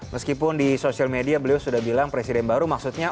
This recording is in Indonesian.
meskipun di sosial media beliau sudah bilang presiden baru maksudnya